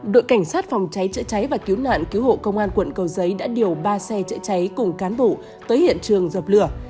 đội cảnh sát phòng cháy chữa cháy và cứu nạn cứu hộ công an quận cầu giấy đã điều ba xe chữa cháy cùng cán bộ tới hiện trường dập lửa